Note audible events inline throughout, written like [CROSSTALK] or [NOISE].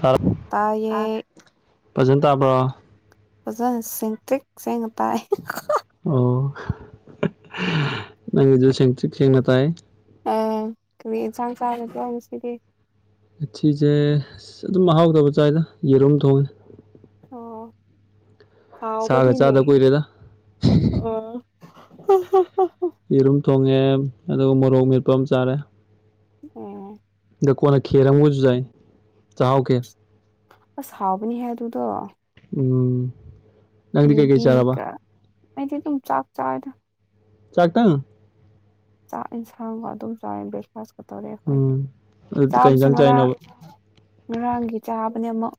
ꯇꯥꯔ ꯇꯥꯏꯌꯦ ꯐꯖꯅ ꯇꯥꯕ꯭ꯔꯣ ꯐꯖꯅ ꯁꯤꯇꯤꯛꯁꯤꯡꯦꯡ ꯇꯥꯏ ꯑꯣ ꯅꯪꯒꯤꯁꯨ ꯁꯦꯡꯅ ꯇꯥꯏ ꯑ ꯀꯔꯤ ꯏꯟꯁꯥꯡ ꯆꯥꯔꯁꯨ ꯍꯥꯏꯁꯤꯒꯦ ꯉꯊꯤꯁꯦ ꯑꯁ ꯑꯗꯨꯝ ꯃꯍꯥꯎꯗꯕ ꯆꯥꯏꯗ ꯌꯦꯔꯨꯝ ꯊꯣꯡꯉꯦ ꯑ ꯆꯥꯒ ꯆꯥꯗ ꯍꯥꯎꯕꯗꯤꯅꯦ ꯀꯨꯏꯔꯦꯗ ꯑ [INAUDIBLE] ꯌꯦꯔꯨꯝ ꯊꯣꯡꯉꯦ ꯑꯗꯨꯒ ꯃꯣꯔꯣꯛ ꯃꯦꯠꯄ ꯑꯃ ꯆꯥꯔꯦ ꯎꯝ ꯀꯅ ꯈꯦꯔꯝꯎ ꯌꯥꯥꯏ ꯆꯥꯎ ꯀꯦ ꯑꯁ ꯍꯥꯎꯕꯅꯤ ꯍꯥꯏ ꯑꯗꯨꯗꯣ ꯎꯝ ꯅꯪꯗꯤ ꯀꯩꯀꯩ ꯆꯥꯔꯕ ꯌꯨꯕꯤꯒ ꯑꯩꯗꯤ ꯑꯗꯨꯝ ꯆꯥꯛ ꯆꯥꯗ ꯆꯥꯛꯇꯪ ꯆꯥꯛ ꯏꯟꯁꯥꯡꯒꯣ ꯑꯗꯨꯝ ꯆꯥꯦ ꯐꯀ ꯇꯧꯔꯑꯦ ꯑꯩꯈꯣꯏꯗꯤ ꯎꯝ ꯑꯗꯨꯗꯤ ꯀꯩ ꯆꯥꯕꯁꯨ ꯏꯟꯖꯥꯡ ꯉꯔꯥꯡ ꯆꯥꯏꯅꯣꯕ ꯉꯔꯥꯡꯒꯤ ꯆꯥꯕꯅꯦ ꯑꯃꯨꯛ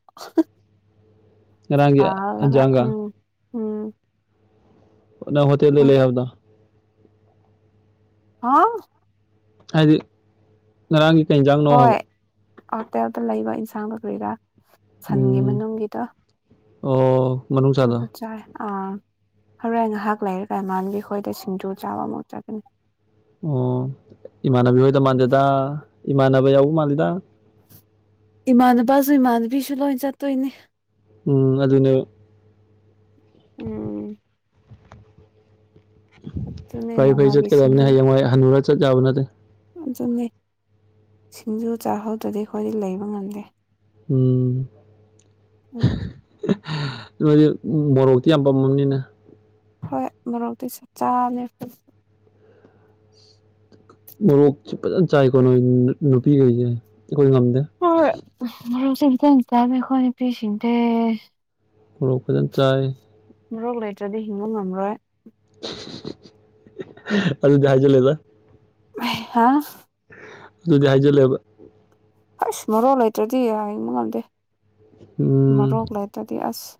ꯉꯔꯥꯡꯒꯤ ꯍꯂꯒ ꯏꯟꯖꯥꯡꯒ ꯎꯝ ꯎꯝ ꯅ ꯍ ꯇ ꯂꯩ ꯂꯩ ꯍꯥꯕꯗ ꯍꯥꯥ ꯍꯥꯏꯗꯤ ꯉꯔꯥꯡꯒꯤ ꯀꯩ ꯌꯦꯟꯖꯥꯡꯅꯣ ꯍꯥꯏꯕ ꯍꯣꯏ ꯍꯣꯇꯦꯜꯗ ꯂꯩꯕ ꯏꯟꯁꯥꯡ ꯀꯣꯏꯔꯥ ꯁꯟꯒꯤ ꯎꯝ ꯃꯅꯨꯡꯒꯤꯗꯣ ꯑꯣ ꯃꯅꯨꯡꯁꯥꯗꯣ ꯇꯗ ꯆꯥꯏ ꯑꯥ ꯍꯔꯣꯏ ꯉꯥꯏꯍꯥꯛ ꯂꯩꯔꯒ ꯏꯃꯥꯟꯕꯤ ꯑꯩꯈꯣꯏꯗ ꯁꯤꯡꯖꯨ ꯆꯥꯕ ꯑꯃꯨꯛ ꯆꯒꯅꯤ ꯑꯣ ꯏꯃꯥꯟꯅꯕꯤ ꯍꯣꯏꯗ ꯃꯥꯟꯗꯦꯗ ꯏꯃꯥꯟꯅꯕ ꯌꯥꯎꯕ ꯃꯥꯜꯂꯤꯗ ꯏꯃꯥꯟꯅꯕꯁꯨ ꯏꯃꯥꯟꯅꯕꯤꯁꯨ ꯂꯣꯏ ꯆꯠꯇꯣꯏꯅꯦ ꯎꯝ ꯑꯗꯨꯗꯅꯦ ꯎꯝ ꯑꯗꯨꯅꯦ ꯐꯩ ꯐꯩ ꯅꯣꯡꯃꯒꯤ ꯆꯠꯀꯗꯕꯅꯦ ꯍꯌꯦꯡꯋꯥꯏ ꯍꯅꯨꯔ ꯆꯠ ꯆꯥꯕ ꯅꯠꯇꯦ ꯑꯗꯨꯅꯤ ꯁꯤꯡꯖꯨ ꯆꯥꯍꯧꯗ꯭ꯔꯗꯤ ꯑꯩꯈꯣꯏꯗꯤ ꯂꯩꯕ ꯉꯝꯗꯦ ꯎꯝ ꯎꯝ ꯗꯤ ꯃꯣꯔꯣꯛꯇꯤ ꯌꯥꯝ ꯄꯥꯝꯃꯝꯅꯤꯅ ꯍꯣꯏ ꯃꯔꯣꯛꯗꯤ ꯆꯥꯛ ꯆꯥꯅꯦ ꯃ ꯆꯥꯏ ꯀꯅ ꯅꯨꯄꯤ ꯀ ꯆ ꯇꯈꯅꯤ ꯄꯁꯤꯗꯦ ꯃꯣꯔꯣꯛ ꯐꯖꯅ ꯆꯥꯏ ꯃꯣꯛ ꯂꯩꯇ꯭ꯔꯗꯤ ꯍꯤꯡꯕ ꯉꯝꯔꯣꯏ ꯑꯗꯨ ꯖ ꯂꯩꯗ ꯍꯥ ꯑꯗꯨꯗꯤ ꯍꯥꯏꯖꯂꯦꯕ ꯑꯁ ꯃꯔꯣ ꯂꯩꯇ꯭ꯔꯗꯤ ꯍꯡꯕ ꯉꯝꯗꯦ ꯃꯔꯣꯛ ꯂꯩꯇꯥꯗꯤ ꯑꯁ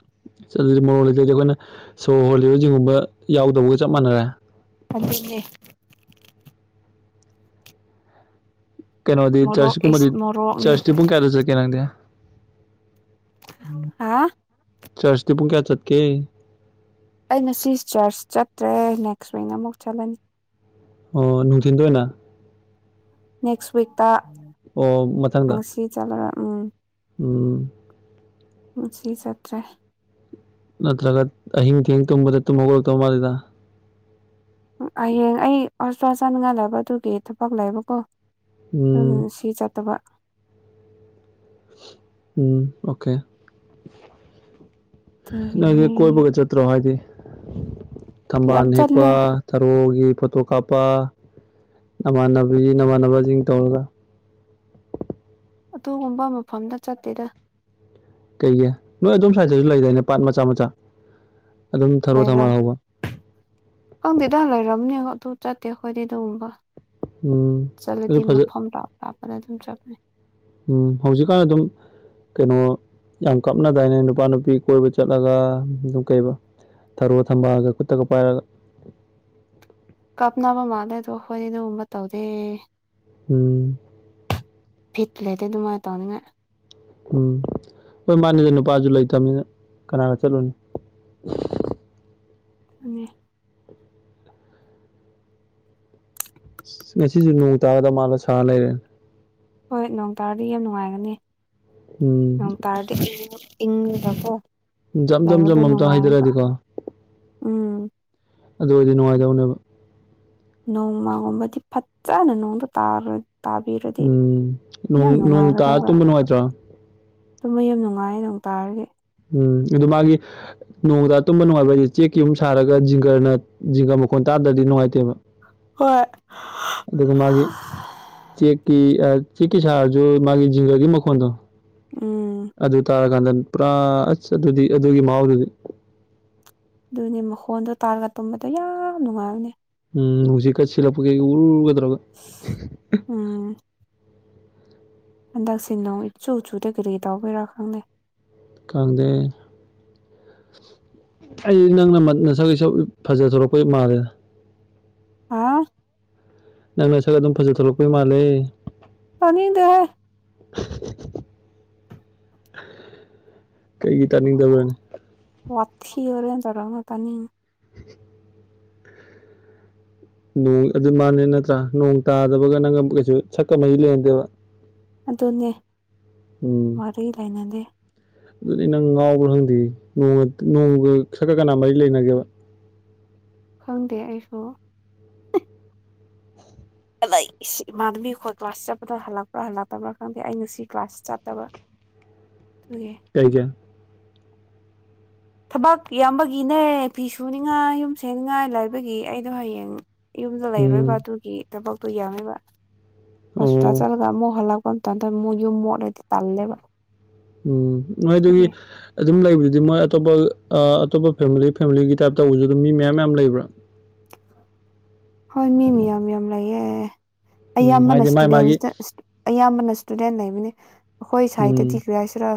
ꯆꯠꯂꯗꯤ ꯃꯣꯛ ꯂꯩꯇ꯭ꯔꯗꯤ ꯑꯩꯈꯣꯏꯅ ꯁꯣ ꯍꯣꯜꯂꯤꯕ ꯒꯨꯝꯕ ꯌꯥꯎꯗꯕꯒ ꯆꯞ ꯃꯥꯟꯅꯔꯦ ꯑꯅꯦ ꯀꯩꯅꯣꯗꯤ ꯃꯣꯔꯣꯛ ꯆꯔꯆꯀꯨꯝꯕꯗꯤ ꯏꯁ ꯃꯣꯔꯣꯛꯅꯤ ꯆꯔꯆꯇꯤ ꯄꯨꯡ ꯀꯌꯥꯗ ꯆꯠꯀꯦ ꯅꯪꯗꯤ ꯍꯥꯥ ꯆꯔꯁꯇ ꯄꯨꯡ ꯀꯦ ꯆꯠ ꯀꯦ ꯑꯩ ꯉꯁꯤ ꯆꯔꯆ ꯆꯠꯇ꯭ꯔꯦ ꯅꯦꯛꯁ ꯋꯤꯡ ꯑꯃꯨꯛ ꯆꯠꯂꯅꯤ ꯑꯣ ꯅꯨꯡꯊꯤꯟꯗ ꯑꯣꯏꯅ ꯅꯦꯛꯁ ꯋꯤꯛꯇ ꯑꯣ ꯃꯊꯪꯗ ꯉꯁꯤ ꯆꯠꯂꯔ ꯎꯝ ꯃꯁꯤ ꯆꯠꯇ꯭ꯔꯦ ꯅꯠꯇ꯭ꯔꯒ ꯑ ꯍꯤꯡ ꯊ ꯍꯤꯡ ꯇꯨꯝꯃꯗ ꯇꯨꯒ ꯇꯧ ꯃꯥꯗ ꯍꯌꯦꯡ ꯑꯩ ꯍꯁꯄꯤꯇꯥꯜ [INAUDIBLE] ꯆꯥꯠꯅꯤꯡꯉꯥꯏ ꯂꯩꯕ ꯑꯗꯨꯒꯤ ꯊꯕꯛ ꯂꯩꯕꯀꯣ ꯎꯝ ꯁꯤ ꯆꯠꯇꯕ ꯎꯝ ꯑꯣꯛꯀꯦ ꯅꯪꯒꯤ ꯑꯗꯨꯒꯤꯅꯦ ꯀꯣꯏꯕꯒ ꯆꯠꯇ꯭ꯔꯣ ꯍꯥꯏꯗꯤ ꯊꯥꯝꯕꯥꯜ ꯌꯥꯝ ꯍꯦꯛꯄ ꯆꯠꯂꯦ ꯊꯥꯔꯣꯒꯤ ꯐꯣꯇꯣ ꯀꯥꯞꯄ ꯅꯃꯥꯟꯅꯕꯤ ꯅꯃꯥꯟꯅꯕꯁꯤꯡ ꯇꯧꯔꯒ [UNINTELLIGIBLE] ꯑꯗꯨꯒꯨꯝꯕ ꯃꯐꯝꯗ ꯆꯠꯇꯦꯗ ꯀꯩꯒꯤ ꯅꯣꯏ ꯑꯗꯨꯣꯝ ꯁ꯭ꯋꯥꯏꯖꯗꯁꯨ ꯂꯩꯗꯥꯏꯅꯦ ꯄꯥꯠ ꯃꯆꯥ ꯃꯆꯥ ꯑꯗꯨꯝ ꯊꯔꯣ ꯊꯝꯕꯥꯜ ꯂꯩꯔꯝ ꯍꯧꯕ ꯈꯪꯗꯦꯗꯥ ꯂꯩꯔꯝꯅꯤ ꯑꯗꯨ ꯆꯠꯇꯦ ꯑꯩꯈꯣꯏꯗꯤ ꯑꯗꯨꯒꯨꯝꯕ ꯎꯝ ꯑꯗꯨ ꯆꯠꯂꯗꯤ ꯐꯖ ꯃꯐꯝ ꯂꯞ ꯂꯥꯞꯄꯗ ꯑꯗꯨꯝ ꯆꯠꯂꯦ ꯎꯝ ꯍꯧꯖꯤꯛꯀꯥꯟ ꯑꯗꯨꯝ ꯀꯩꯅꯣ ꯌꯥꯝ ꯀꯥꯞꯅꯗꯥꯏꯅꯦ ꯅꯨꯄꯥ ꯅꯨꯄꯤ ꯀꯣꯏꯕ ꯆꯠꯂꯒ ꯑꯗꯨꯝ ꯀꯩꯕ ꯊꯔꯣ ꯊꯝꯕꯥꯜꯒ ꯈꯨꯠꯇꯒ ꯄꯥꯏꯔꯒ ꯀꯥꯞꯅꯕ ꯃꯥꯜꯂꯦ ꯑꯗꯣ ꯑꯩꯈꯣꯏꯗꯤ ꯑꯗꯨꯒꯒꯨꯝꯕ ꯇꯧꯗꯦ ꯎꯝ ꯕꯤꯠ ꯂꯩꯇꯦ ꯑꯗꯨꯃꯥꯏꯅ ꯇꯧꯅꯤꯡꯉꯥꯏ ꯎꯝ ꯍꯣꯏ ꯃꯥꯅꯤꯗ ꯅꯨꯄꯥꯁꯨ ꯂꯩꯇꯝꯅꯤꯅ ꯀꯅꯥꯒꯥ ꯆꯠꯂꯨꯅꯤ [UNINTELLIGIBLE] ꯑꯅꯤ [INAUDIBLE] ꯉꯁꯤꯁꯨ ꯅꯣꯡ ꯇꯥꯒꯗ ꯃꯥꯜꯂꯒꯥ ꯁꯥꯔ ꯂꯩꯔꯦꯅꯦ ꯍꯣꯏ ꯅꯣꯡ ꯇꯥꯔꯗꯤ ꯌꯥꯝ ꯅꯨꯡꯉꯥꯏꯒꯅꯤ ꯎꯝ ꯅꯣꯡ ꯇꯥꯔꯗꯤ ꯏꯪꯂꯒꯥꯀꯣ ꯖꯝ ꯖꯝ ꯖꯝ ꯑꯝꯇ ꯍꯩꯊꯔꯗꯤ ꯀꯣ ꯎꯝ ꯑꯗꯨ ꯑꯣꯏꯔꯗꯤ ꯅꯨꯡꯉꯥꯏꯗꯧꯅꯦꯕ ꯅꯣꯡꯃꯒꯕꯗꯤ [INAUDIBLE] ꯐꯖꯅ ꯅꯣꯡꯗ ꯇꯥꯔꯣ ꯇꯥꯕꯤꯔꯗꯤ ꯎꯝ ꯅꯣꯡ ꯌꯥꯝ ꯅꯣꯡ ꯇꯥꯔ ꯅꯨꯡꯉꯥꯏꯒꯗꯕ ꯇꯨꯝꯕ ꯅꯨꯡꯉꯥꯏꯇ꯭ꯔꯣ ꯇꯨꯝꯕ ꯌꯥꯝ ꯅꯨꯡꯉꯥꯏꯌꯦ ꯅꯣꯡ ꯇꯥꯔꯗꯤ ꯎꯝ ꯑꯗꯨ ꯃꯥꯒꯤ ꯅꯣꯡ ꯇꯥꯔꯒꯥ ꯇꯨꯝꯕ ꯅꯨꯡꯉꯥꯏꯕ ꯍꯥꯏꯁꯦ ꯆꯦꯛꯀꯤ ꯑꯃꯨꯛ ꯁꯥꯔꯒ ꯖꯤꯡꯒꯔꯅ ꯖꯤꯡꯒꯔ ꯃꯈꯣꯟ ꯇꯥꯔ ꯇꯗ꯭ꯔꯗꯤ ꯅꯨꯡꯉꯥꯏꯇꯦꯕ ꯍꯣꯏ ꯑꯗꯨꯒ ꯃꯥꯒꯤ ꯆꯦꯛꯀꯤ ꯆꯤꯛꯒꯤ ꯁꯔꯁꯨ ꯃꯥꯒꯤ ꯖꯤꯡꯒꯥꯒꯤ ꯃꯈꯣꯟꯗꯣ ꯎꯝ ꯀꯥꯟꯗꯟ ꯄꯨꯔꯥ ꯑꯁ ꯑꯗꯨꯗꯤ ꯑꯗꯨꯒꯤ ꯃꯍꯥꯎꯗꯨꯗꯤ ꯑꯗꯨꯅꯦ ꯃꯈꯣꯟꯗꯣ ꯇꯥꯔꯒ ꯇꯨꯝꯕꯗꯣ ꯌꯥꯝꯝ ꯅꯨꯡꯉꯥꯏꯅꯦ ꯎꯝ ꯅꯨꯡꯁꯤꯠ ꯈꯔꯥ ꯁꯤꯠꯂꯛꯄꯩ ꯎꯔ ꯒꯥ ꯇꯧꯔꯒꯥ ꯍꯟꯗꯛꯁꯤ ꯅꯣꯡ ꯏꯆꯨ ꯆꯨꯗꯦ ꯀꯔꯤ ꯇꯧꯕꯩꯔꯥ ꯈꯪꯗꯦ ꯈꯪꯗꯦ ꯑꯩꯗꯤ ꯅꯪꯅ ꯅꯥꯁꯥꯛ [INAUDIBLE] ꯐꯖꯊꯣꯔꯛꯄꯩ ꯃꯥꯜꯂꯦꯗ ꯍꯥꯎ ꯅꯪ ꯅꯁꯛ ꯑꯗꯨꯝ ꯐꯥꯖꯊꯣꯛꯔꯛꯄꯩ ꯃꯥꯜꯂꯦ ꯐꯅꯤꯗꯦꯦ [INAUDIBLE] [UNINTELLIGIBLE] ꯀꯩꯒꯤ ꯇꯥꯅꯤꯡꯗꯕꯔꯥꯅꯦ ꯆꯔꯉ ꯇꯅꯤ [INAUDIBLE] ꯅꯣꯡ ꯑꯗꯨ ꯃꯥꯅꯦ ꯅꯠꯇ꯭ꯔꯥ ꯅꯣꯡ ꯇꯥꯗꯕꯒ ꯅꯪꯒ ꯀꯩꯁꯨ ꯁꯛꯀ ꯃꯔꯤ ꯂꯩꯅꯗꯦꯕ ꯑꯗꯨꯅꯦ ꯎꯝ ꯃꯔꯤ ꯂꯩꯅꯗꯦ ꯑꯗꯨꯅꯤ ꯅꯪ ꯉꯥꯎꯕ꯭ꯔꯥ ꯈꯪꯗꯦ ꯅꯣꯡ ꯅꯣꯡꯒ ꯁꯛꯀ ꯀꯅꯥ ꯃꯔꯤ ꯂꯩꯅꯒꯦꯕ ꯈꯪꯗꯦ ꯑꯩꯁꯨ ꯏꯃꯥꯟꯅꯕꯤ ꯑꯩꯈꯣꯏ ꯀ꯭ꯂꯥꯁ ꯆꯠꯄꯗ ꯍꯜꯂꯛꯄ꯭ꯔꯥ ꯍꯜꯂꯛꯇꯕ꯭ꯔꯥ ꯈꯪꯗꯦ ꯑꯩꯩ ꯉꯥꯁꯤ ꯀ꯭ꯂꯥꯁ ꯆꯠꯇꯕ ꯑꯗꯨꯒꯤ ꯀꯩꯒꯤ ꯊꯕꯛ ꯌꯥꯝꯕꯒꯤꯅꯦ ꯐꯤ ꯁꯨꯅꯤꯉꯥꯏ ꯌꯨꯝ ꯁꯅꯤꯡꯉꯥꯏ ꯂꯥꯏꯕꯒꯤ ꯑꯩꯗꯣ ꯍꯌꯦꯡ ꯌꯨꯝꯗ ꯂꯩꯔꯣꯏꯕ ꯎꯝ ꯑꯗꯨꯒꯤ ꯊꯕꯛꯇꯣ ꯌꯦꯡꯉꯕ ꯍꯣꯁꯄꯤꯇꯥꯜ ꯑꯣ ꯆꯠꯂꯒ ꯑꯃꯨꯛ ꯍꯜꯂꯛꯄ ꯀ ꯇ ꯃꯣꯏ ꯌ ꯃꯣꯣꯔꯗꯤ ꯇꯥꯜꯂꯦꯕ ꯎꯝ ꯃꯣꯏ ꯑꯗꯨꯒꯤ ꯑꯗꯨꯝ ꯂꯩꯕꯗꯨꯗꯤ ꯃꯣꯏ ꯑꯇꯣꯞꯄ ꯑꯇꯣꯞꯄ ꯐꯦꯃꯤꯂꯤ ꯐꯦꯃꯤꯂꯤꯒꯤ ꯇꯥꯏꯞꯇꯧꯕꯁꯨ ꯑꯗꯨꯝ ꯃꯤ ꯃꯌꯥꯝ ꯌꯥꯝꯌꯥꯝ ꯂꯩꯕ꯭ꯔꯥ ꯍꯣꯏ ꯃꯤꯃꯤ ꯌꯥꯝ ꯌꯥꯝ ꯂꯩꯌꯦꯦ ꯎꯝ ꯑꯌꯥꯝꯕꯅ ꯍꯥꯏꯗꯤ ꯃꯥꯥꯏ ꯏꯁꯇꯨꯗꯦꯟ ꯃꯥꯒꯤ ꯑꯌꯥꯝꯕꯅ ꯏꯁꯇꯨꯗꯦꯟ ꯂꯩꯕꯅꯤ ꯑꯩꯈꯣꯏ ꯎꯝ ꯁꯥꯏꯠꯇꯗꯤ ꯀ ꯄꯤꯁ꯭ꯔꯥ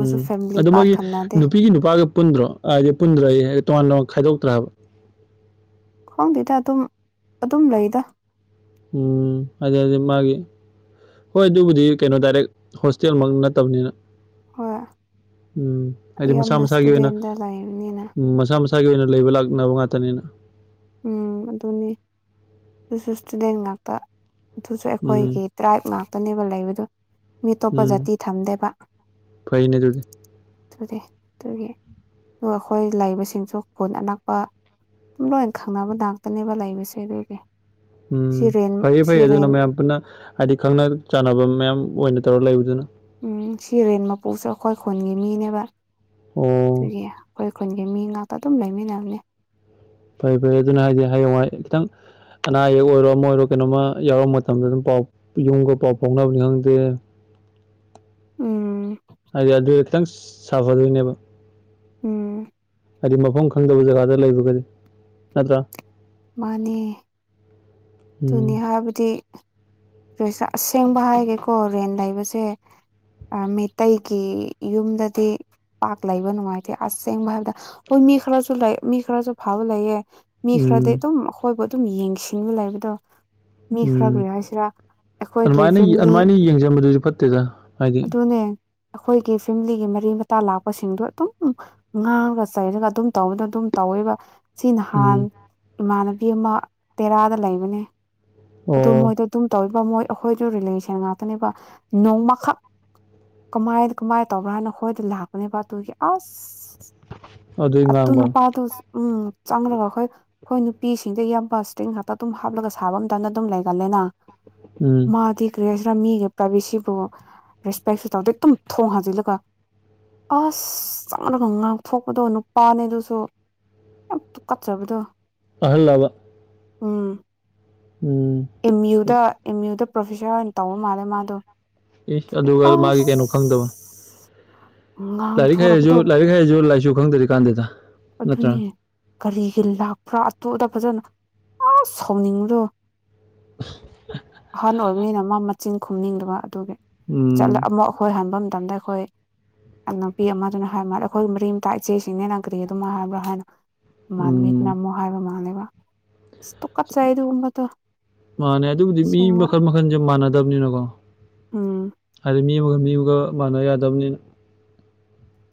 ꯎꯝ ꯑꯗꯨ ꯃꯣꯏꯒꯤ ꯅꯨꯄꯤꯒꯤ ꯅꯨꯄꯥꯒ ꯄꯨꯟꯗ꯭ꯔꯣ ꯍꯥꯏꯗꯤ ꯄꯨꯟꯗ꯭ꯔ ꯑꯩ ꯇꯣꯉꯥꯟ ꯇꯣꯉꯥꯟ ꯈꯥꯏꯗꯣꯛ ꯇ꯭ꯔꯕ ꯈꯣꯡꯗꯦꯗ ꯑꯗꯨꯝ ꯑꯗꯨꯝ ꯂꯩꯗ ꯎꯝ ꯑꯗꯦ ꯑ ꯃꯥꯒꯤꯦ ꯍꯣꯏ ꯑꯗꯨꯕꯨꯗꯤ ꯀꯩꯅꯣ ꯗꯥꯏꯔꯦꯛ ꯍꯣꯁꯇꯦꯜꯃꯛ ꯅꯠꯇꯕꯅꯤꯅ ꯍꯣꯏ ꯎꯝ ꯍꯥꯏꯗꯤ ꯃꯁꯥ ꯌꯥꯝꯅ ꯃꯁꯥꯒꯤ ꯑꯣꯏꯅ ꯏꯁꯇꯨꯗꯦꯟꯗ ꯂꯩꯕꯅꯤꯅ ꯎꯝ ꯃꯁꯥ ꯃꯁꯥ ꯏꯁꯥꯒꯤ ꯑꯣꯏꯅ ꯂꯩꯕ ꯂꯥꯛꯅꯕ ꯉꯥꯛꯇꯅꯤꯅ ꯎꯝ ꯑꯗꯨꯅꯤ ꯑꯗꯨꯇꯤꯗꯦꯟ ꯉꯥꯛꯇ ꯑꯗꯨꯁꯨ ꯎꯝ ꯑꯩꯈꯣꯏꯒꯤ ꯇ꯭ꯔꯥꯏꯕ ꯉꯥꯛꯇꯅꯦꯕ ꯂꯩꯕꯗ ꯃꯤ ꯑꯇꯣꯞꯄ ꯖꯥꯇꯤ ꯊꯝꯗꯦꯕ ꯐꯅꯦ ꯑꯗꯨꯗꯦ ꯑꯗꯨꯒꯤ ꯑꯗꯨꯒ ꯑꯩꯈꯣꯏ ꯂꯩꯕꯁꯤꯡꯁꯨ ꯈꯨꯣꯟ ꯑꯅꯛꯄ ꯑꯗꯨꯝ ꯂꯣꯏ ꯈꯪꯅꯕ ꯉꯥꯛꯇꯅꯦꯕ ꯂꯩꯕꯁꯦ ꯑꯗꯨꯒꯤ ꯎꯝ ꯁꯤꯔꯦꯟ ꯐꯩꯌꯦ ꯐꯩꯌꯦ ꯁꯤꯔꯦꯟ ꯑꯗꯨꯅ ꯃꯌꯥꯝ ꯄꯨꯟꯅ ꯍꯥꯏꯗꯤ ꯈꯪꯅ ꯆꯥꯟꯅꯕ ꯃꯌꯥꯝ ꯑꯣꯏꯅ ꯇꯧꯔ ꯂ ꯂꯩꯕꯤꯕꯨꯗꯅ ꯎꯝ ꯁꯤ ꯔꯦꯟ ꯃꯄꯣꯛꯁꯦ ꯑꯩꯈꯣꯏ ꯈꯨꯣꯟꯒꯤ ꯃꯤꯅꯦꯕ ꯑꯣ ꯑꯗꯨꯒꯤ ꯑꯩꯈꯣꯏ ꯈꯨꯟꯒꯤ ꯃꯤ ꯉꯥꯛꯇ ꯑꯗꯨꯝ ꯂꯩꯃꯤꯟꯅꯕꯅꯦ ꯐꯩ ꯐꯩ ꯑꯗꯨꯅ ꯍꯥꯏꯗꯤ ꯍꯌꯡ ꯍꯥꯏ ꯈꯤꯇꯪ ꯑꯅꯥ ꯑꯌꯦꯛ ꯑꯣꯏꯔꯣ ꯑꯃ ꯑꯣꯏꯔꯣ ꯀꯩꯅꯣꯃ ꯌꯥꯎꯔ ꯃꯇꯝꯗ ꯑꯗꯨꯝ ꯄꯥꯎ ꯌꯨꯝꯒ ꯄꯥꯎ ꯐꯥꯎꯅꯕꯅꯤ ꯈꯪꯗꯦ ꯎꯝ ꯍꯥꯏꯗꯤ ꯑꯗꯨ ꯈꯤꯇꯪ ꯁꯥꯐꯗꯣꯏꯅꯦꯕ ꯎꯝ ꯍꯥꯏꯗꯤ ꯃꯐꯝ ꯈꯪꯗꯕ ꯖꯒꯥꯗ ꯂꯩꯕꯒꯗꯤ ꯅꯠꯇ꯭ꯔꯥ ꯃꯥꯅꯤ ꯎꯝ ꯑꯗꯨꯅꯤ ꯍꯥꯏꯕꯗꯤ ꯔꯣꯏꯖ ꯑꯁꯤ ꯑꯁꯦꯡꯕ ꯍꯥꯏꯒꯦꯀꯣ ꯔꯦꯟ ꯂꯩꯕꯁꯦ ꯃꯤꯇꯩꯩꯒꯤ ꯌꯨꯝꯗꯗꯤ ꯄꯥꯛ ꯂꯩꯕ ꯅꯨꯡꯉꯥꯏꯇꯦ ꯑꯁꯁꯦꯡꯕ ꯍꯥꯏꯕꯗ ꯍꯣꯏ ꯃꯤ ꯈꯔꯁꯨ ꯂꯩ ꯃꯤ ꯈꯔꯁꯨ ꯐꯕ ꯂꯩꯌꯦꯦ ꯃꯤ ꯈꯔꯗꯤ ꯎꯝ ꯑꯗꯨꯝ ꯑꯩꯈꯣꯏꯕꯨ ꯑꯗꯨꯝ ꯌꯦꯡꯁꯤꯟꯕ ꯂꯩꯕꯗꯣ ꯃꯤ ꯈꯔ ꯎꯝ ꯀ ꯍꯥꯏꯁꯤꯔꯥ ꯑꯩꯈꯣꯏꯒꯤ ꯑꯗꯨꯃꯥꯏꯅ ꯐꯦꯃꯤꯂꯤ ꯑꯗꯨꯃꯥꯏꯅ ꯌꯦꯡꯁꯤꯟꯕꯗꯨꯁꯨ ꯐꯠꯇꯦꯗ ꯍꯥꯏꯗꯤ ꯑꯗꯨꯅꯦ ꯑꯩꯈꯣꯏꯒꯤ ꯐꯦꯃꯤꯂꯤꯒꯤ ꯃꯔꯤ ꯃꯇꯥ ꯂꯥꯛꯄꯁꯤꯡꯗꯣ ꯑꯗꯨꯝ ꯉꯥꯡꯉꯒ ꯆꯩꯔꯒ ꯑꯗꯨꯝ ꯇꯧꯕꯗꯣ ꯑꯗꯨ ꯑꯗꯨꯝ ꯇꯧꯋꯦꯕ ꯁꯤ ꯅꯍꯥꯟ ꯎꯝ ꯏꯃꯥꯟꯅꯕꯤ ꯑꯃ ꯇꯦꯔꯥꯗ ꯂꯩꯕꯅꯦ ꯑꯗꯨ ꯑꯣ ꯃꯣꯏꯗꯣ ꯑꯗꯨꯝ ꯇ ꯃꯣꯏ ꯑꯩꯈꯣꯏꯗ ꯔꯤꯂꯦꯁꯟ ꯉꯥꯛꯇꯅꯦꯕ ꯅꯣꯡꯃꯈꯛ ꯀꯃꯥꯏꯅ ꯀꯃꯥꯏꯅ ꯇꯧꯕ꯭ꯔꯥ ꯍꯥꯏꯅ ꯑꯩꯈꯣꯏꯗ ꯂꯥꯛꯄꯅꯦꯕ ꯇꯣꯏꯒꯤ ꯑꯁ ꯑꯗꯨꯏ ꯑ ꯇꯨꯅ ꯉꯥꯡꯕ ꯄ ꯇ ꯎꯝ ꯆꯥꯡꯂꯒꯈꯣꯏ ꯍꯣꯏ ꯅꯨꯄꯤꯁꯤꯡꯗ ꯏꯌꯥꯝꯕ ꯏꯁꯇ꯭ꯔꯤꯡ ꯉꯥꯛꯇ ꯑꯗꯨꯝ ꯍꯥꯞꯂꯒ ꯁꯥꯕ ꯑꯃꯝꯇꯅ ꯑꯗꯨꯝ ꯂꯩꯒꯜꯂꯦꯅ ꯎꯝ ꯃꯥꯗꯤ ꯀ꯭ꯔꯦꯁꯤ ꯈꯔ ꯃꯤꯒꯤ ꯄ꯭ꯔꯥꯏꯚꯦꯁꯤꯕꯨ ꯔꯦꯁꯄꯦꯛꯁꯨ ꯇꯧꯗꯦ ꯑꯗꯨꯝ ꯊꯣꯡ ꯍꯥꯖꯤꯜꯂꯨꯀ ꯑꯁ ꯆꯪꯗꯅ ꯉꯥꯛꯊꯣꯛꯄꯗꯣ ꯅꯨꯄꯥꯅꯦ ꯑꯗꯨꯁꯨ ꯀꯠꯆꯕꯨꯗꯣ ꯑꯍꯜꯂꯃ ꯑ ꯎꯝ ꯑꯦꯝ ꯌꯨꯗ ꯄ꯭ꯔꯣꯐꯦꯁꯥꯔ ꯑꯣꯏꯅ ꯇꯧꯕ ꯃꯥꯜꯂꯦ ꯃꯥꯗꯣ ꯑꯦ ꯑꯗꯨꯒ ꯃꯥꯒꯤ ꯑꯁ ꯀꯩꯅꯣ ꯈꯪꯗꯕ ꯂꯥꯏꯔꯤꯛ ꯍꯩꯔꯁꯨ ꯉꯥꯡꯊꯣꯔꯛꯄꯗꯣ ꯂꯥꯏꯔꯤꯛ ꯍꯩꯔꯁꯨ ꯂꯥꯏꯔꯤꯁꯨ ꯈꯪꯗ꯭ꯔꯤ ꯀꯥꯟꯗꯦꯗ ꯅꯠꯇ꯭ꯔꯥ ꯑꯗꯨꯅꯤ ꯀꯔꯤꯒꯤ ꯂꯥꯛꯄ꯭ꯔꯥ ꯑꯇꯣ ꯑꯗ ꯐꯖꯅ ꯑꯁ ꯁꯥꯎꯅꯤꯡꯕꯗꯣ ꯑꯍꯟ ꯑꯣꯏꯕꯅꯤꯅ ꯃꯥ ꯃꯆꯤꯟ ꯈꯨꯝꯅꯤꯡꯗꯨꯅ ꯆꯠꯂ ꯎꯝ ꯑꯃꯨꯛ ꯑꯩꯈꯣꯏ ꯍꯟꯕ ꯃꯇꯝꯗ ꯑꯩꯈꯣꯏ ꯅꯨꯄꯤ ꯑꯃꯗꯨꯅ ꯍꯥꯏ ꯃꯥꯜꯂꯦ ꯑꯩꯈꯣꯏ ꯃꯔꯤꯝꯇꯥ ꯏꯆꯦꯁꯤꯡꯅꯦꯅ ꯀꯔꯤ ꯑꯗꯨꯝ ꯍꯥꯏꯕ꯭ꯔꯣ ꯍꯥꯏꯅꯣ ꯃꯃꯥꯟꯅꯕꯤꯗꯨꯅ ꯎꯝ ꯑꯃꯨꯛ ꯍꯥꯏꯕ ꯃꯥꯜꯂꯦꯕ ꯇꯨꯀꯠꯆꯩ ꯑꯗꯨꯒꯨꯝꯕꯗꯣ ꯃꯥꯅꯦ ꯑꯗꯨꯕꯨꯗꯤ ꯃꯤ ꯑꯁꯦꯡꯕ ꯃꯈꯜ ꯃꯈꯟꯁꯦ ꯃꯥꯟꯅꯗꯕꯅꯤꯅꯀꯣ ꯎꯝ ꯍꯥꯏꯗꯤ ꯃꯤ ꯑꯃꯒ ꯃꯤ ꯑꯃꯒ ꯃꯥꯟꯅ ꯌꯥꯗꯕꯅꯤꯅ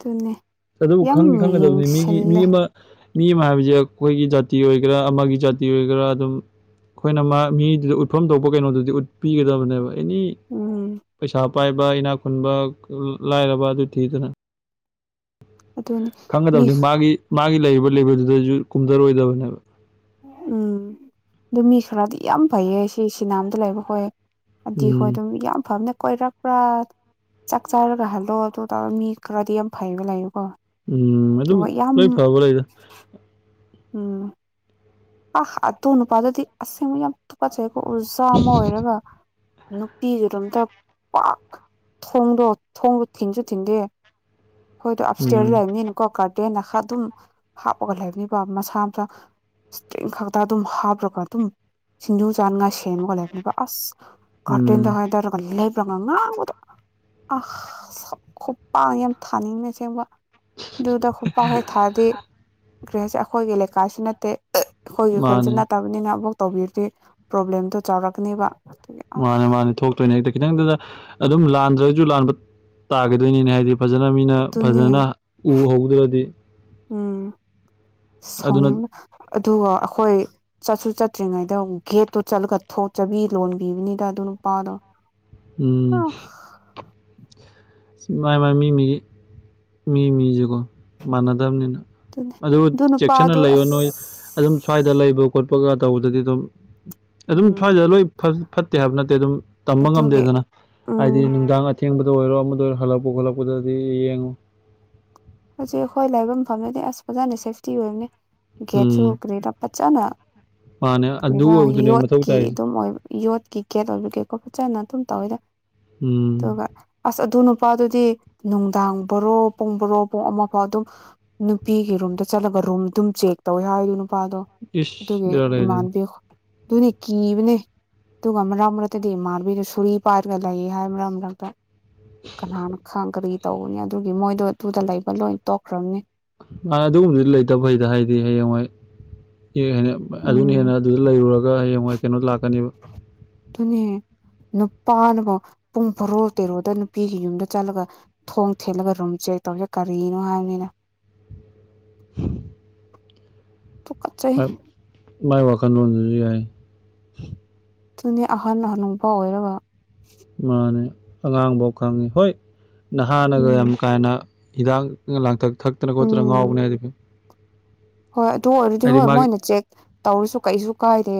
ꯑꯗꯨꯅꯤ ꯑꯗꯨꯕꯨ ꯈꯪꯗꯤ ꯈꯪꯒꯗꯕꯅꯤ ꯃꯤꯒꯤ ꯃꯤ ꯑꯃ ꯃꯤ ꯑꯃ ꯍꯥꯏꯕꯁꯦ ꯑꯩꯈꯣꯏꯒꯤ ꯖꯥꯇꯤ ꯑꯣꯏꯒꯦꯔꯥ ꯑꯃꯒꯤ ꯖꯥꯇꯤ ꯑꯣꯏꯒꯦꯔꯥ ꯑꯗꯨꯝ ꯑꯩꯈꯣꯏꯅ ꯃꯥ ꯃꯤꯗꯨꯗ ꯎꯠꯐꯝ ꯊꯣꯛꯄ ꯀꯩꯅꯣꯗꯨꯗꯤ ꯎꯠꯄꯤꯒꯗꯕꯅꯦꯕ ꯑꯦꯅꯤ ꯎꯝ ꯄꯩꯁꯥ ꯄꯥꯏꯕ ꯏꯅꯥꯛ ꯈꯨꯟꯕ ꯂꯥꯏꯔꯕ ꯑꯗꯨ ꯊꯤꯗꯅ ꯑꯗꯨꯅꯤ ꯃꯤ ꯈꯪꯒꯗꯕꯅꯤ ꯃꯥꯒꯤ ꯃꯥꯒꯤ ꯂꯩꯔꯤꯕ ꯂꯦꯕꯦꯜꯗꯨꯗꯁꯨ ꯀꯨꯝꯊꯔꯣꯏꯗꯕꯅꯦꯕ ꯎꯝ ꯑꯗꯨ ꯃꯤ ꯈꯔꯗꯤ ꯌꯥꯝ ꯐꯩꯌꯦ ꯁꯤ ꯁꯤꯅꯥꯝꯗ ꯂꯩꯕꯈꯣꯏ ꯑꯗꯨꯗꯤ ꯍꯣꯏ ꯎꯝ ꯑꯗꯨꯝ ꯌꯥꯝ ꯐꯕꯅ ꯀꯣꯏꯔꯥꯛ ꯄꯨꯥ ꯆꯥꯛ ꯆꯥꯔꯒ ꯍꯥꯜꯂꯣ ꯑꯗꯨꯣ ꯇꯥ ꯃꯤ ꯈꯔꯗꯤ ꯌꯥꯝ ꯐꯩꯕ ꯂꯩꯥꯏꯣ ꯎꯝ ꯑꯗꯨꯝ ꯂꯣꯏ ꯐꯕ ꯂꯩꯗ ꯎꯝ ꯑꯗꯨ ꯅꯨꯄ ꯑꯗꯨꯗꯤ ꯑꯁꯦ ꯌꯥꯝ ꯇꯨꯀꯠꯆꯩ ꯑꯃ ꯑꯣꯏꯔꯒ ꯅꯨꯄꯤꯒꯤ ꯔꯨꯝꯗ ꯑꯝꯇ ꯄ ꯊꯣꯡꯗꯣ ꯊꯣꯡꯕꯣ ꯊꯤꯟꯁꯨ ꯊꯤꯟꯗꯦ ꯑꯩꯈꯣꯏꯗꯣ ꯑꯞ ꯏꯁꯇꯦꯔ ꯎꯝ ꯂꯩꯕꯅꯤꯅꯀꯣ ꯀꯔꯇꯦꯟꯅ ꯈꯔ ꯑꯗꯨꯝ ꯍꯥꯞꯄꯒ ꯂꯩꯕꯅꯤꯕꯣ ꯃꯁꯥ ꯃꯆꯥ ꯏꯁꯇꯔꯤꯦꯡ ꯈꯛꯇ ꯑꯗꯨꯝ ꯍꯥꯞꯂꯒ ꯑꯗꯨꯝ ꯁꯤꯡꯖꯨ ꯆꯥꯟꯉ ꯁꯦꯟꯕꯒ ꯂꯩꯕꯅꯦꯕ ꯑꯁ ꯀꯊꯤꯟꯗ ꯎꯝ ꯍ ꯇꯔꯒꯂ ꯉꯥꯡꯕꯗꯣ ꯑꯁ ꯈꯨꯄꯥꯡ ꯌꯥꯝ ꯊꯥꯅꯤꯡꯅꯁꯦꯡꯕ ꯑꯗꯨꯗ ꯈꯨꯄꯥꯛ ꯍꯩ ꯊꯥꯗꯤ ꯒ꯭ꯔꯦꯍꯁꯦ ꯑꯩꯈꯣꯏꯒꯤ ꯂꯩꯀꯥꯏꯁꯨ ꯅꯠꯇꯦ ꯑꯩꯈꯣꯏꯒꯤ ꯈꯨꯣꯟꯁꯨ ꯃꯥꯅꯦ ꯅꯠꯇꯕꯅꯤꯅ ꯑꯃꯨꯛ ꯇꯧꯕꯤꯔꯗꯤ ꯄ꯭ꯔꯣꯕ꯭ꯂꯦꯝꯗꯣ ꯆꯥꯎꯔꯛꯀꯅꯦꯕ ꯑꯗꯨꯒꯤ ꯑ ꯃꯥꯅꯦ ꯃꯥꯅꯦ ꯊꯣꯛꯇꯣꯏꯅꯦ ꯍꯦꯛꯇ ꯈꯤꯇꯪꯇꯗ ꯑꯗꯨꯝ ꯂꯥꯟꯗ꯭ꯔꯁꯨ ꯂꯥꯟꯕ ꯇꯥꯒꯗꯣꯏꯅꯤꯅꯦ ꯍꯥꯏꯗꯤ [INAUDIBLE] ꯑꯗꯨꯅꯦ ꯎꯝ ꯑꯗꯨꯅ ꯁꯥꯎꯅꯤꯡ ꯑꯗꯨꯒ ꯑꯩꯈꯣꯏ ꯆꯠꯁꯨ ꯆꯠꯇ꯭ꯔꯤꯉꯩꯗ ꯒꯦꯠꯇꯣ ꯆꯠꯂꯒ ꯆꯕꯤ ꯂꯣꯟꯕꯤꯕꯅꯤꯗ ꯑꯗꯨ ꯅꯨꯄꯥꯗꯣ ꯑ ꯎꯝ ꯃꯥꯏ ꯃꯥꯥꯏ ꯃꯤꯃꯤꯒꯤ ꯃꯤ ꯃꯤꯖꯦꯒꯣ ꯃꯥꯟꯅꯗꯝꯅꯤꯅ ꯑꯗꯨꯅꯦ ꯑꯗꯨ ꯆꯦꯛꯁꯤꯟꯅ ꯅꯨꯄꯥꯗꯣ ꯂꯩꯌꯣ ꯅꯣꯏ ꯑꯗꯨꯝ ꯁ꯭ꯋꯥꯏꯗ ꯑꯁ ꯂꯩꯕ ꯈꯣꯠꯄꯒ ꯇꯧꯕꯗꯗꯤ ꯑꯗꯨꯝ ꯑꯗꯨꯝ ꯎꯝ ꯁ꯭ꯋꯥꯏꯗ ꯂꯣꯏ ꯐꯠꯇꯦ ꯍꯥꯏꯕ ꯅꯠꯇꯦ ꯑꯗꯨꯝ ꯇꯝꯕ ꯑꯗꯨꯒꯤ ꯉꯝꯗꯦꯗꯅ ꯍꯥꯏꯗꯤ ꯎꯝ ꯅꯨꯡꯗꯥꯡ ꯑꯊꯦꯡꯕꯗ ꯑꯣꯏꯔꯣ ꯑꯃꯗ ꯑꯣꯏꯔꯣ ꯍꯜꯂꯛꯄ ꯈꯂꯄꯗꯗꯤ ꯌꯦ ꯌꯦꯡꯉꯣ ꯍꯧꯛꯖꯤꯛ ꯑꯩꯈꯣꯏ ꯂꯥꯏꯕ ꯐꯐꯝꯅꯗꯤ ꯑꯁ ꯐꯖꯅ ꯁꯦꯐꯇꯤ ꯑꯣꯏꯕꯅꯤ ꯒꯦꯇ ꯆꯣ ꯎꯝ ꯀꯦꯔ ꯄꯆꯅ ꯃꯥꯅꯦ ꯑꯗꯨ ꯀ ꯑꯣꯏꯕꯗꯨꯅꯦ ꯃꯊꯧ ꯌꯣꯠꯀꯤ ꯇꯥꯏꯁꯦ ꯑꯗꯨꯝ ꯌꯣꯠꯀꯤ ꯒꯦꯠ ꯑꯣꯏꯕꯒꯦꯀꯣ ꯆꯅ ꯑꯗꯨꯝ ꯇꯧꯋꯤꯗ ꯎꯝ ꯑꯗꯨꯒ ꯑꯁ ꯑꯗꯨꯅ ꯅꯨꯄꯥꯗꯨꯗꯤ ꯅꯨꯡꯗꯥꯡ ꯕꯣꯔꯣ ꯄꯨꯡꯕꯣꯔꯣ ꯄꯨꯡ ꯑꯃ ꯐꯥꯎ ꯑꯗꯨꯝ ꯅꯨꯄꯤꯒꯤ ꯔꯨꯝꯗ ꯆꯠꯂꯒ ꯔꯨꯝ ꯑꯗꯨꯝ ꯆꯦꯛ ꯇꯧꯋꯦ ꯍꯥꯏ ꯅꯨꯄꯥꯗꯣ ꯏꯁ ꯑꯗꯨꯒꯤ ꯕꯦꯔꯥ ꯂꯩ ꯑꯗꯨꯗꯤ ꯏꯃꯥꯟꯕꯤ ꯑꯗꯨꯅꯤ ꯀꯤꯕꯅꯦ ꯇꯨꯒ ꯑꯃꯔꯝꯛꯇꯗꯤ ꯏꯃꯥꯟꯅꯕꯤꯗꯨ ꯁꯨꯔꯤ ꯄꯥꯏꯔꯒ ꯂꯩ ꯍꯥꯏꯕꯛꯇ ꯀꯅꯥꯅ ꯈꯪ ꯀꯔꯤ ꯇꯧꯕꯅꯤ ꯑꯗꯨꯒꯤ ꯃꯣꯏꯗꯣ ꯑꯗꯨꯗ ꯂꯩꯕ ꯂꯣꯏ ꯇꯣꯛꯈ꯭ꯔꯕꯅꯤ ꯑ ꯑꯗꯨꯒꯨꯝꯕꯗꯨꯗꯤ ꯂꯩꯇꯕ ꯐꯩꯗ ꯍꯥꯏꯗꯤ ꯍꯌꯦꯡꯋꯥꯣꯏ [UNINTELLIGIBLE] ꯎꯝ ꯑꯗꯨꯅ ꯍꯦꯟꯅ ꯑꯗꯨꯅꯦ ꯅꯨꯄꯥꯅꯕꯥꯎ ꯄꯨꯡ ꯕꯥꯔꯣ ꯇꯦꯔꯣꯗ ꯅꯨꯄꯤꯒꯤ ꯌꯨꯝꯗ ꯆꯠꯂꯒ ꯊꯣꯡ ꯊꯤꯜꯂꯒ ꯔꯨꯝꯖꯩ ꯀꯩ ꯇꯧꯁꯦ ꯀꯔꯤꯅꯣ ꯍꯥꯏꯕꯅꯤꯅ [INAUDIBLE] ꯇꯨꯀꯠꯆꯩ ꯃꯥꯏ ꯋꯥꯥꯈꯜꯂꯣꯟꯗꯨꯁꯨ ꯌꯥꯏ ꯑꯗꯨꯅꯦ ꯑꯍꯟ ꯍꯅꯨꯄꯥ ꯑꯣꯏꯔꯒ ꯃꯥꯅꯦ ꯑꯉꯥꯡꯐꯥꯎ ꯈꯪꯉꯦ ꯍꯣꯏ ꯅꯍꯥꯅꯒ ꯎꯝ ꯌꯥꯝ ꯀꯥ ꯍꯦꯟꯅ ꯍꯤꯗꯥꯛ ꯂꯥꯡꯊꯛ ꯊꯛꯇꯅ ꯈꯣꯠꯇꯅ ꯎꯝ ꯉꯥꯎꯕꯅꯦ ꯍꯥꯏꯗꯤ ꯐꯩ ꯍꯣꯏ ꯑꯗꯨ ꯑꯣꯏꯔꯗꯤ ꯍꯣꯏ ꯃꯣꯏꯅ ꯆꯦꯛ ꯇꯧꯔꯁꯨ ꯀꯩꯁꯨ ꯀꯥꯏꯗꯦ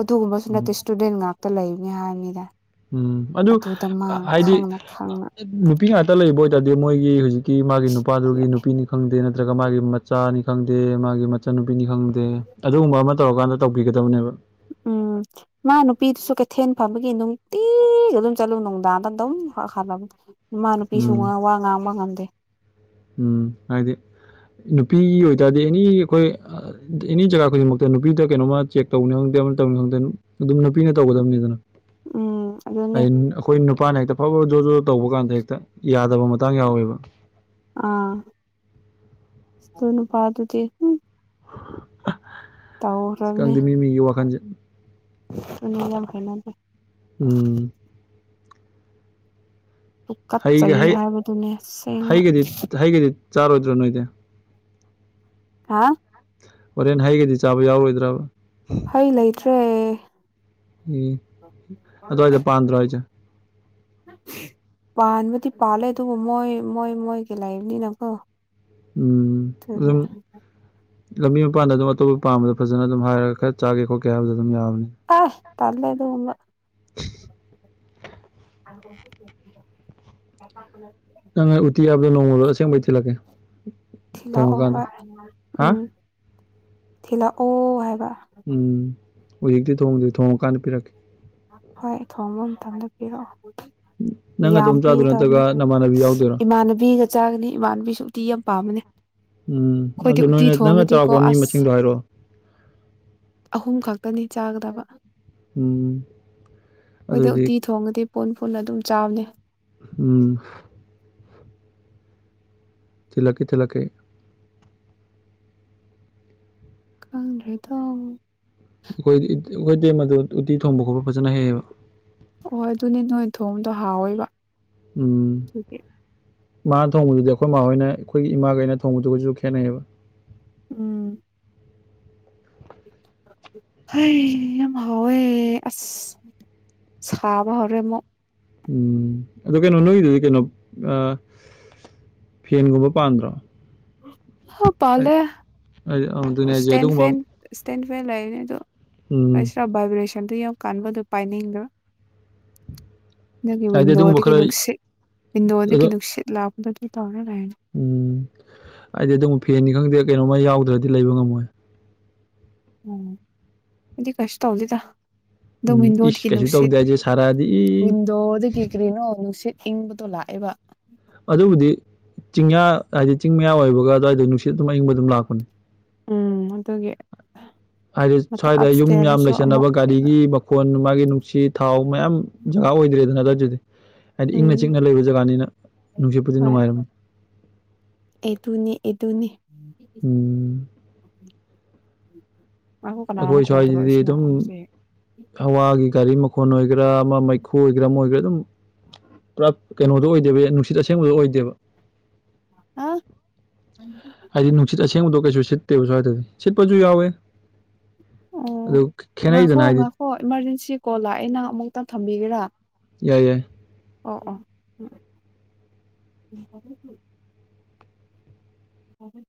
ꯑꯗꯨꯒꯨꯝꯕꯁꯨ ꯅꯠꯇꯦ ꯏꯁꯇꯨꯗꯦꯟ ꯉꯥꯛꯇ ꯂꯩꯕꯅꯤ ꯍꯥꯏꯝꯅꯤꯗ ꯎꯝ ꯑꯗꯨ ꯍꯥꯏꯗꯤ ꯈꯪꯅ ꯈꯪꯅ ꯅꯨꯄꯤ ꯉꯥꯛꯇ ꯂꯩꯕ ꯑꯣꯏꯇꯥꯔꯗꯤ ꯃꯣꯏꯒꯤ ꯍꯧꯖꯤꯛ ꯀꯤ ꯃꯥꯒꯤ ꯅꯨꯄꯥꯗꯨꯒꯤ ꯅꯨꯄꯤꯅꯤ ꯈꯪꯗꯦ ꯅꯠꯇ꯭ꯔꯒ ꯃꯥꯒꯤ ꯃꯆꯥꯅꯤ ꯈꯪꯗꯦ ꯃꯥꯒꯤ ꯃꯆꯥꯨꯟ ꯅꯨꯄꯤꯅꯤ ꯈꯪꯗꯦ ꯑꯗꯨꯒꯨꯝꯕ ꯑꯃ ꯇꯧꯔꯀꯥꯟꯗ ꯇꯧꯕꯤꯒꯗꯕꯅꯦꯕ ꯎꯝ ꯃꯥ ꯅꯨꯄꯤꯗꯨꯁꯨ ꯀꯩꯊꯦꯜ ꯐꯝꯕꯒꯤ ꯅꯨꯡꯇꯤꯒ ꯑꯗꯨꯝ ꯆꯠꯂꯨ ꯅꯨꯡꯗꯥꯡꯗ ꯑꯗꯨꯝ ꯍꯜꯂꯛꯕ ꯃꯥꯢ ꯅꯨꯄꯤꯁꯨ ꯎꯝ ꯋꯥ ꯉꯥꯡꯕ ꯉꯝꯗꯦ ꯎꯝ ꯍꯥꯏꯗꯤ ꯅꯨꯄꯤꯒꯤ ꯑꯣꯏꯇꯥꯔꯗꯤ ꯑꯦꯅꯤ ꯑꯩꯈꯣꯏ ꯑꯦꯅꯤ ꯖꯒꯥ ꯈꯨꯗꯤꯡꯃꯛꯇ ꯅꯨꯄꯤꯗ ꯀꯩꯅꯣꯃ ꯆꯦꯛ ꯇꯧꯅꯕꯒꯤ ꯇꯧꯅꯤ ꯈꯪꯗꯦ ꯑꯗꯨꯝ ꯅꯨꯄꯤꯅ ꯇꯧꯒꯗꯕꯅꯤꯗꯅ ꯎꯝ ꯑꯗꯨꯅꯦ ꯍꯥꯏ ꯑꯩꯈꯣꯏ ꯅꯨꯄꯥꯅ ꯍꯦꯛꯇ ꯐꯠ ꯐꯠ ꯖꯣꯠ ꯖꯣꯠ ꯇꯧꯕ ꯀꯥꯟꯗ ꯍꯦꯛꯇ ꯌꯥꯗꯕ ꯃꯇꯥꯡ ꯌꯥꯎꯑꯦꯕ ꯑꯥ ꯑꯗꯨ ꯅꯨꯄꯥꯥꯗꯨꯗꯤ [UNINTELLIGIBLE] ꯇꯧꯈ꯭ꯔꯥꯝꯅꯤ ꯈꯪꯗꯦ ꯃꯤ ꯃꯤꯒꯤ ꯋꯥꯈꯜꯁꯦ ꯑꯗꯨ ꯌꯥꯝ ꯍꯩꯅꯗꯦ ꯎꯝ ꯍꯩꯒ ꯀꯠꯆꯩ ꯍꯩ ꯍꯥꯏꯕꯗꯨꯅꯦ ꯑꯁꯦꯡꯕ ꯍꯩꯒꯗꯤ ꯍꯩꯒꯗꯤ ꯆꯥꯔꯣꯏꯗ꯭ꯔꯣ ꯅꯣꯏꯗꯤ ꯍꯥ ꯍꯣꯔꯦꯟ ꯍꯩꯒꯗꯤ ꯆꯥꯕ ꯌꯥꯎꯔꯣꯏꯗ꯭ꯔꯕ ꯍꯩ ꯂꯩꯇ꯭ꯔꯦ ꯎꯝ ꯑꯗꯨꯋꯥꯢꯗ ꯄꯥꯟꯗ꯭ꯔꯣ ꯍꯥꯏꯁꯦ ꯄꯥꯟꯕꯨꯗꯤ ꯄꯥꯜꯂꯦ ꯑꯗꯨꯕꯨ ꯃꯣꯏ ꯃꯣꯏ ꯃꯣꯏꯒꯤ ꯂꯩꯕꯅꯤꯅꯀꯣ ꯎꯝ ꯑꯗꯨꯒꯤ ꯑꯗꯨꯝ ꯂꯝꯕꯤ ꯃꯄꯥꯟꯗ ꯑꯗꯨꯝ ꯑꯇꯣꯞꯄ ꯄꯥꯟꯕꯗꯨ ꯐꯖꯅ ꯑꯗꯨꯝ ꯍꯥꯏꯔꯒ ꯈꯔ ꯆꯥꯒꯦ ꯈꯣꯠꯀꯦ ꯍꯥꯏꯕꯗ ꯑꯗꯨꯝ ꯌꯥꯕꯅꯤ ꯑꯥꯏ ꯇꯜꯂꯦ ꯑꯗꯨꯒꯨꯝꯕ [UNINTELLIGIBLE] ꯅꯪ ꯎꯇꯤ ꯍꯥꯏꯕꯗꯣ ꯅꯣꯡꯃꯗ ꯑꯁꯦꯡꯕꯩ [UNINTELLIGIBLE] ꯊꯤꯜꯂꯛꯑꯣ ꯊꯣꯡꯉꯀꯥꯟꯗ ꯍꯣꯏ ꯍꯥ ꯎꯝ ꯊꯤꯜꯂꯛꯑꯣ ꯍꯥꯏꯕ ꯎꯝ ꯍꯧꯖꯤꯛꯇꯤ ꯊꯣꯡꯗ꯭ꯔꯤ ꯊꯣꯡꯉꯀꯥꯟꯗ ꯄꯤꯔꯛꯀꯦ ꯍꯣꯏ ꯊꯣꯡꯕ ꯃꯇꯝꯗ ꯄꯤꯔꯛꯑꯣ [UNINTELLIGIBLE] ꯌꯥꯝ ꯅꯇꯣꯝ ꯆꯥꯗꯣꯏꯔꯣ ꯄꯤꯒꯗꯕꯅꯦ ꯅꯠꯇ꯭ꯔꯒ ꯅꯃꯥꯟꯅꯕꯤ ꯌꯥꯎꯗꯣꯏꯔꯣ ꯏꯃꯥꯟꯅꯕꯤꯒ ꯆꯥꯒꯅꯤ ꯏꯃꯥꯟꯅꯕꯤꯁꯨ ꯎꯇꯤ ꯌꯥꯝ ꯄꯥꯝꯕꯅꯦ ꯎꯝ ꯑꯩꯈꯣꯏꯗꯤ ꯑꯗꯨ ꯎꯇꯤ ꯅꯣꯏꯅ ꯅꯪꯅ ꯊꯣꯡꯉꯗꯤꯀꯣ ꯆꯥꯎꯔꯥꯛꯄ ꯃꯤ ꯑꯁ ꯃꯁꯤꯡꯗꯣ ꯍꯥꯏꯔꯛꯑꯣ ꯑꯍꯨꯝ ꯈꯛꯇꯅꯤ ꯆꯥꯒꯗꯕ ꯎꯝ ꯑꯩꯈꯣꯏꯗ ꯑꯗꯨꯑꯣꯏꯗꯤ ꯎꯇꯤ ꯊꯣꯡꯉꯗꯤ ꯄꯨꯟ ꯄꯨꯨꯨꯟꯅ ꯑꯗꯨꯝ ꯆꯥꯕꯅꯤ ꯎꯝ ꯊꯤꯜꯂꯛꯀꯦ ꯊꯤꯜꯂꯛꯀꯦ ꯑꯩ ꯈꯪꯗ꯭ꯔꯦꯗꯣ ꯑꯩꯈꯣꯏ ꯑꯩꯈꯣꯏ ꯏꯇꯩꯃ ꯑꯗꯨ ꯎꯇꯤ ꯊꯣꯡꯕ ꯈꯣꯠꯄ ꯐꯖꯅ ꯍꯩꯌꯦꯕ ꯍꯣꯏ ꯑꯗꯨꯅꯦ ꯅꯣꯏ ꯊꯣꯡꯕꯗꯣ ꯍꯥꯎꯑꯦꯕ ꯎꯝ ꯃꯥꯅ ꯊꯣꯡꯕꯗꯨꯗꯤ ꯑꯩꯈꯣꯏ ꯃꯥꯍꯣꯏꯅ ꯑꯩꯈꯣꯏꯒꯤ ꯏꯃꯥꯈꯩꯅ ꯊꯣꯡꯕꯗꯨꯒꯁꯨ ꯈꯦꯠꯅꯩꯌꯦꯕ ꯎꯝ [UNINTELLIGIBLE] ꯍꯣꯏ ꯌꯥꯝ ꯍꯥꯎꯋꯦ ꯑꯁ ꯁꯥꯕ ꯍꯧꯥꯎꯔꯦ ꯑꯃꯨꯛ ꯎꯝ ꯑꯗꯨ ꯀꯩꯅꯣ ꯅꯣꯏꯗꯨꯗꯤ ꯀꯩꯅꯣ ꯑ ꯐꯦꯟꯒꯨꯝꯕ ꯄꯥꯟꯗ꯭ꯔꯣ ꯑ ꯍꯥꯏ ꯄꯂꯦ ꯍꯥꯏꯗꯤ ꯑ ꯑꯗꯨꯅꯦ ꯍꯥꯏꯁꯦ ꯁꯇꯦꯟ ꯐꯦꯟ ꯑꯗꯨꯒꯨꯝꯕ ꯁꯇꯦꯟ ꯐꯦꯟ ꯂꯩꯅꯦ ꯎꯝ ꯕ꯭ꯔꯦꯁꯟ ꯁꯦꯟꯗ ꯌꯥꯎ ꯀꯥꯟꯕꯗꯨꯣ ꯄꯥꯏꯅꯤꯡꯕꯥ ꯅꯒꯤ ꯍꯥꯏꯗꯤ ꯑꯗꯨꯒꯨꯝꯕ ꯋꯤꯟꯗꯣꯗꯒꯤ ꯈꯔ ꯅꯨꯡꯁꯤꯠ ꯋꯤꯟꯗꯣꯗꯒꯤ ꯑꯗꯣ ꯅꯨꯡꯁꯤꯠ ꯂꯥꯛꯄꯗ ꯑꯗꯨ ꯇꯧꯔꯦ ꯎꯝ ꯍꯥꯏꯗꯤ ꯑꯗꯨꯝ ꯐꯦꯟꯅꯤ ꯈꯪꯗꯦ ꯀꯩꯅꯣꯝꯃ ꯌꯥꯎꯗ꯭ꯔꯗꯤ ꯂꯩꯕ ꯉꯝꯃꯣꯏ ꯎꯝ ꯏꯗꯤ ꯀꯁ ꯑꯣꯧꯗꯗ [UNINTELLIGIBLE] ꯑꯣ ꯏꯁ ꯋꯤꯟꯗꯣꯗꯒꯤ ꯀꯩꯁꯨ ꯅꯨꯡꯁꯤꯠ ꯇꯧꯗꯦ ꯍꯥꯏꯁꯦ ꯁꯥꯔꯛꯑꯗꯤ ꯏ ꯋꯤꯟꯗꯣꯗꯒꯤ ꯀꯔꯤꯅꯣ ꯅꯨꯡꯁꯤꯠ ꯏꯪꯕꯗꯣ ꯂꯥꯛꯑꯦ ꯍꯥꯏꯕ ꯑꯗꯨꯕꯨꯗꯤ ꯆꯤꯡꯌꯥ ꯍꯥꯏꯗꯤ ꯆꯤꯡ ꯃꯌꯥ ꯑꯣꯏꯕꯒ ꯑꯗꯨꯋꯥꯏꯗ ꯅꯨꯡꯁꯤꯠ ꯑꯗꯨꯝ ꯑꯏꯪꯕ ꯑꯗꯨꯝ ꯂꯥꯛꯄꯅꯦ ꯎꯝ ꯑꯗꯨꯒꯤ ꯍꯥꯏꯗꯤ ꯃꯊꯛ ꯁ꯭ꯋꯥꯏꯗ ꯌꯨꯝ ꯌꯥꯝ ꯑꯞꯁ꯭ꯇꯦꯌꯔꯗꯁꯨ ꯑꯃꯨꯛ ꯂꯩꯁꯟꯅꯕ ꯂꯩꯕ ꯒꯥꯔꯤꯒꯤ ꯃꯈꯣꯟ ꯃꯥꯒꯤ ꯅꯨꯡꯁꯤ ꯊꯥꯎ ꯃꯌꯥꯝ ꯖꯒꯥ ꯑꯣꯏꯗ꯭ꯔꯦꯗꯅ ꯍꯥꯏꯗꯤ ꯎꯝ ꯏꯪꯅ ꯆꯤꯛꯅ ꯂꯩꯕ ꯖꯒꯥꯅꯤꯅ ꯅꯨꯡꯁꯤꯠꯄꯨꯗꯤ ꯍꯣꯏ ꯅꯨꯡꯉꯥꯏꯔꯝꯃ ꯑꯦꯗꯨꯅꯤ ꯏꯗꯨꯅꯤ ꯎꯝ ꯉꯥꯏꯈꯣ ꯀꯅꯥꯅꯣ ꯑꯩꯈꯣꯏ ꯀꯣꯜ ꯁ꯭ꯋꯥꯏꯁꯤꯗꯤ ꯇꯧꯔꯛꯏꯁꯤꯅ ꯑꯗꯨꯝ ꯍꯧꯖꯤꯛ ꯍꯋꯥꯒꯤ ꯒꯥꯔꯤ ꯃꯈ ꯈꯣꯟ ꯑꯣꯏꯒꯦꯔꯥ ꯑꯃ ꯃꯩꯈꯨ ꯑꯣꯏꯒꯦꯔꯥ ꯑꯃ ꯑꯣꯏꯒꯦꯔꯥ ꯑꯗꯨꯝ ꯄꯨꯔꯥ ꯀꯩꯅꯣꯗ ꯑꯣꯏꯗꯦꯕ ꯅꯨꯡꯁꯤꯠ ꯑꯁꯦꯡꯕꯗ ꯑꯣꯏꯗꯦꯕ ꯑ ꯍꯥꯏꯗꯤ ꯅꯨꯡꯁꯤꯠ ꯑꯁꯦꯡꯕꯗꯣ ꯀꯩꯁꯨ ꯁꯤꯠꯇꯦꯕ ꯁꯋꯥꯏꯗꯔꯗꯤ ꯁꯤꯠꯄꯁꯨ ꯌꯥꯎꯋꯦ ꯑꯣ ꯑꯗꯨ ꯉꯥꯛꯈꯣ ꯈꯦꯠꯅꯩꯗꯅ ꯍꯥꯏꯗꯤ ꯉꯥꯛꯈꯣ ꯏꯃꯥꯔꯖꯦꯟꯁꯤ ꯀꯣꯜ ꯂꯥꯛꯑꯦ ꯅꯪ ꯑꯃꯨꯛꯇꯪ ꯊꯝꯕꯤꯒꯦꯔꯥ ꯌꯥꯏ ꯌꯥꯏ ꯑꯣ ꯑꯣ ꯎꯝ ꯎ